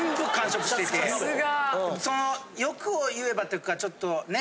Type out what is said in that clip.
その欲を言えばというかちょっとね